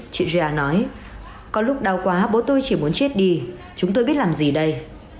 chị ja nói có lúc đau quá bố tôi chỉ muốn chết đi chúng tôi biết làm gì đây